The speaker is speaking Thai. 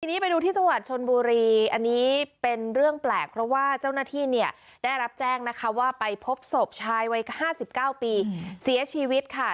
ทีนี้ไปดูที่จังหวัดชนบุรีอันนี้เป็นเรื่องแปลกเพราะว่าเจ้าหน้าที่เนี่ยได้รับแจ้งนะคะว่าไปพบศพชายวัย๕๙ปีเสียชีวิตค่ะ